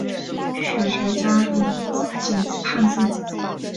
史学家李铭汉次子。